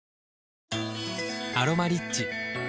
「アロマリッチ」